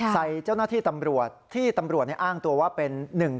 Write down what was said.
เจ้าหน้าที่ตำรวจที่ตำรวจอ้างตัวว่าเป็น